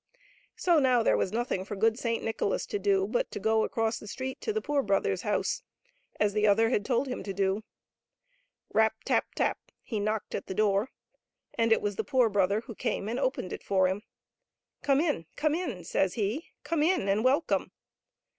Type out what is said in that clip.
So now there was nothing for good Saint Nicholas to do but to go across the street to the poor brother's house, as the other had told him to do. Rap ! tap ! tap ! he knocked at the door, and it was the poor brother who came and opened it for him. Come in, come in !" says he, " come in and welcome